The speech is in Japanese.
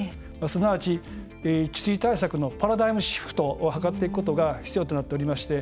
すなわち、治水対策のパラダイムシフトを図っていくことが必要となっておりまして